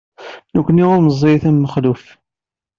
Nekkni ur meẓẓiyit am Mexluf.